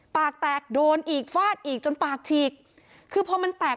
ปากแตกโดนอีกฟาดอีกจนปากฉีกคือพอมันแตก